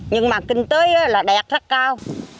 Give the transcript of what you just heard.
nhưng mà kinh tế là đẹp rất cao